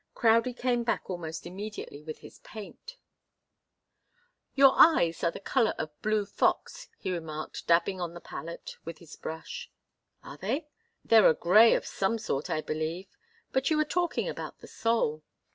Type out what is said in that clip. Crowdie came back almost immediately with his paint. "Your eyes are the colour of blue fox," he remarked, dabbing on the palette with his brush. "Are they? They're a grey of some sort, I believe. But you were talking about the soul."